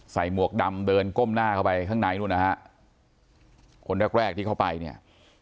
หมวกดำเดินก้มหน้าเข้าไปข้างในนู่นนะฮะคนแรกแรกที่เข้าไปเนี่ย